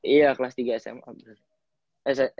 iya kelas tiga smp bener